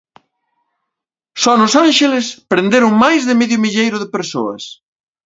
Só nos Ánxeles, prenderon máis de medio milleiro de persoas.